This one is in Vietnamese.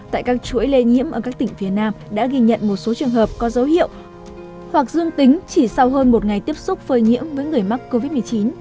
tại các chuỗi lây nhiễm ở các tỉnh phía nam đã ghi nhận một số trường hợp có dấu hiệu hoặc dương tính chỉ sau hơn một ngày tiếp xúc phơi nhiễm với người mắc covid một mươi chín